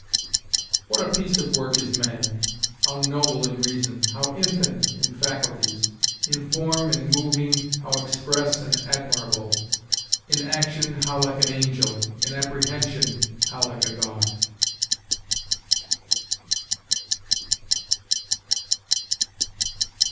"What a piece of work is man! how noble in reason! how infinite in faculties! in form and moving, how express and admirable! in action, how like an angel! in apprehension, how like a god!"